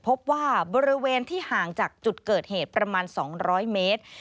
พบว่าบริเวณที่ห่างจากจุดเกิดเหตุประมาณ๒๐๐เมตร